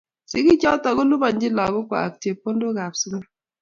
Sigichoto kolipanchini lagokwai chepkondokab sukul